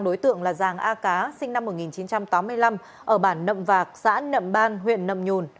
đối tượng là giàng a cá sinh năm một nghìn chín trăm tám mươi năm ở bản nậm vạc xã nậm ban huyện nậm nhùn